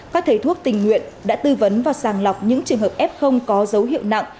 các thầy thuốc tình nguyện đã tư vấn và sàng lọc những trường hợp f có dấu hiệu nặng